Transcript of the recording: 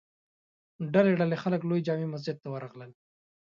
ډلې ډلې خلک لوی جامع مسجد ته ور راغلل.